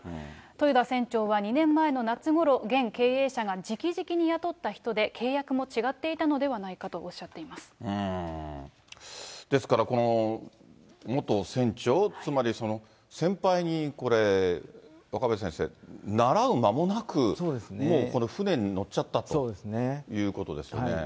豊田船長は２年前の夏ごろ、現経営者が直々に雇った人で、契約も違っていたのではないかとおっしですから、この元船長、つまり先輩に、これ、若林先生、習う間もなく、もうこの船に乗っちゃったということですよね。